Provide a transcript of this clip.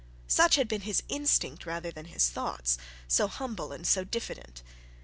Such had been his instinct rather than his thoughts, so humble and so diffident.